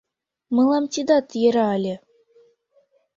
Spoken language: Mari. Мылам тидат йӧра ыле.